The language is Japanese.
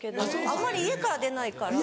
あんまり家から出ないから。